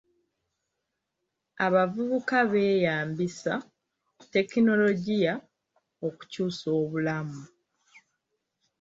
Abavubuka beeyambisa tekinologiya okukyusa obulamu.